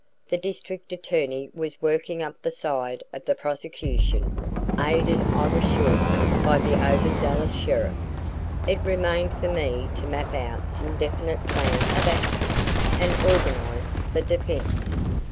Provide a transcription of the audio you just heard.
The district attorney was working up the side of the prosecution, aided, I was sure, by the over zealous sheriff. It remained for me to map out some definite plan of action and organize the defence.